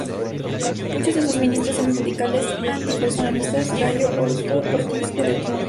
Muchos de sus ministros eran radicales antipersonalistas: Gallo, Ortiz, Le Breton.